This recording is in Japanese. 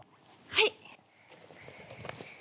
はい。